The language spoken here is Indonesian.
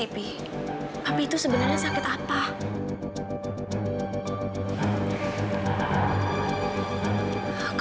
papi itu sebenarnya sakit apa sih